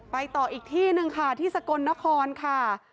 ต่ออีกที่หนึ่งค่ะที่สกลนครค่ะ